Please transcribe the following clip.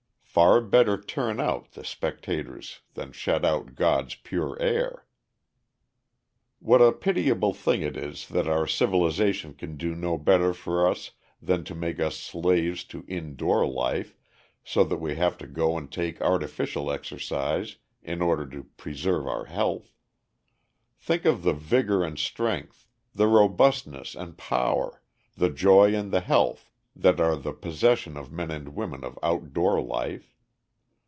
Far better turn out the spectators than shut out God's pure air. What a pitiable thing it is that our civilization can do no better for us than to make us slaves to indoor life, so that we have to go and take artificial exercise in order to preserve our health. Think of the vigor and strength, the robustness and power, the joy and the health, that are the possession of men and women of outdoor life.